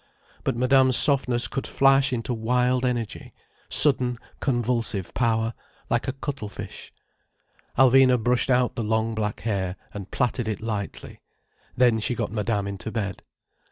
But Madame's softness could flash into wild energy, sudden convulsive power, like a cuttle fish. Alvina brushed out the long black hair, and plaited it lightly. Then she got Madame into bed.